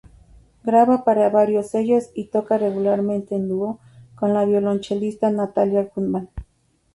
Graba para varios sellos y toca regularmente en dúo con la violonchelista Natalia Gutman.